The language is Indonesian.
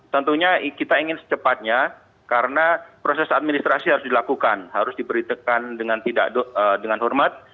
tentunya kita ingin secepatnya karena proses administrasi harus dilakukan harus diberi tekan dengan hormat